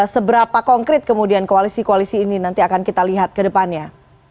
seberapa konkret kemudian koalisi koalisi ini nanti akan kita lihat ke depannya